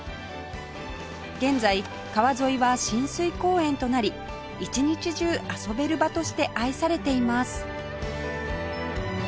現在川沿いは親水公園となり一日中遊べる場として愛されています